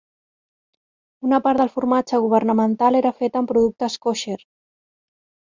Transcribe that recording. Una part del formatge governamental era fet amb productes kosher.